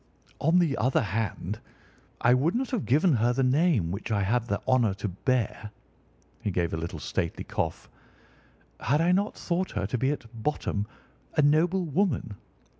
On the other hand, I would not have given her the name which I have the honour to bear"—he gave a little stately cough—"had I not thought her to be at bottom a noble woman.